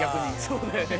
そうだよね